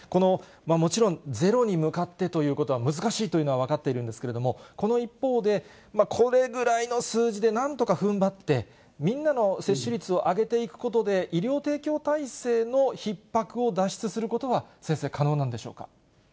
もちろん、ゼロに向かってというのは難しいというのは分かっているんですけれども、この一方で、これぐらいの数字でなんとかふんばって、みんなの接種率を上げていくことで、医療提供体制のひっ迫を脱出することは先生、可能なんでしょうか。